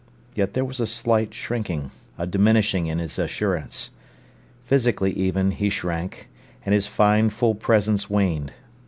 Yet there was a slight shrinking, a diminishing in his assurance. Physically even, he shrank, and his fine full presence waned.